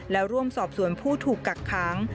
และร่วมสอบสวนผู้ถูกกักค้าง